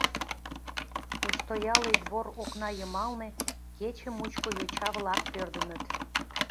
Постоялый двор окна йымалне кече мучко йоча-влак пӧрдыныт.